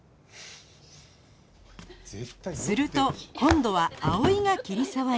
すると今度は葵が桐沢に